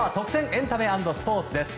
エンタメ＆スポーツです。